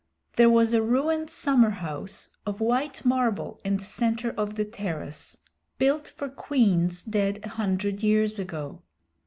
There was a ruined summer house of white marble in the center of the terrace, built for queens dead a hundred years ago.